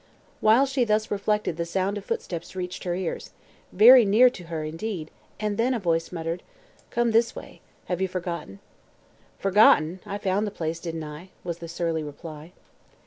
While she thus reflected the sound of footsteps reached her ears very near to her, indeed and a voice muttered: "Come this way. Have you forgotten?" "Forgotten? I found the place, didn't I?" was the surly reply.